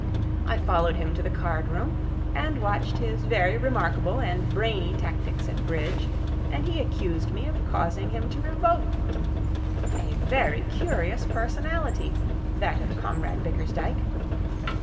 I followed him to the card room, and watched his very remarkable and brainy tactics at bridge, and he accused me of causing him to revoke. A very curious personality, that of Comrade Bickersdyke.